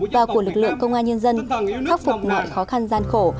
và của lực lượng công an nhân dân khắc phục mọi khó khăn gian khổ